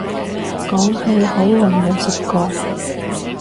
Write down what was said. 講起好耐冇食過